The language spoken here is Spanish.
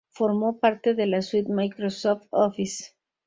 Formó parte de la suite Microsoft Office.